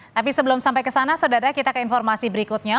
tapi sebelum sampai ke sana saudara kita ke informasi berikutnya